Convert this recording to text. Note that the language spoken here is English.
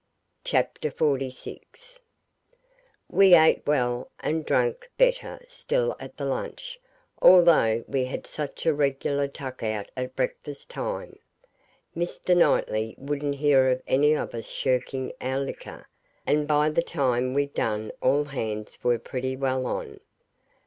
Chapter 46 We ate well and drank better still at the lunch, although we had such a regular tuck out at breakfast time. Mr. Knightley wouldn't hear of any of us shirking our liquor, and by the time we'd done all hands were pretty well on.